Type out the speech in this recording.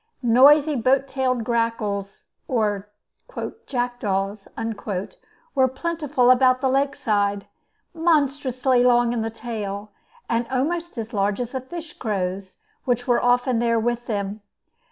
Noisy boat tailed grackles, or "jackdaws," were plentiful about the lakeside, monstrously long in the tail, and almost as large as the fish crows, which were often there with them.